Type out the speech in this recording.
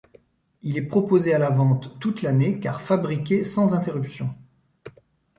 Il est proposé à la vente toute l'année car fabriqué sans interruption.